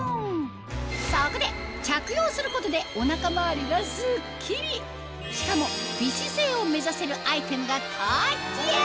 そこで着用することでお腹周りがスッキリしかも美姿勢を目指せるアイテムが登場！